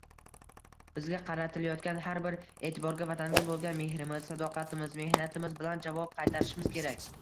Bizga qaratilayotgan har bir eʼtiborga vatanga boʻlgan mehrimiz, sadoqatimiz, mehnatimiz bilan javob qaytarishimiz kerak